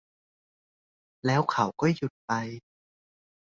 แล้วเขาก็หยุดไป